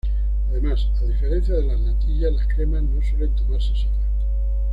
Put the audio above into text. Además, a diferencia de las natillas las cremas no suelen tomarse solas.